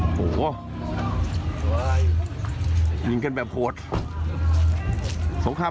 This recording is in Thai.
โอ้โหยังไม่หยุดนะครับ